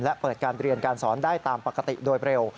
และเปิดการเรียนการสอนได้ตามปกติโดยเร็ว